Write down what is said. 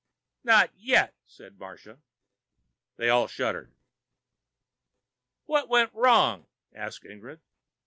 "Not yet," said Marsha. They all shuddered. "What went wrong?" asked Ingrid.